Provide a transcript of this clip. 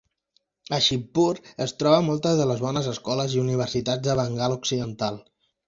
A Shibpur es troben moltes de les bones escoles i universitats de Bengala Occidental.